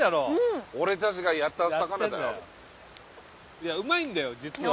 いやうまいんだよ実は。